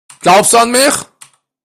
Glaubst du an mich?